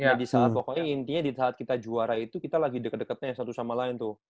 nah di saat pokoknya intinya di saat kita juara itu kita lagi deket deketnya satu sama lain tuh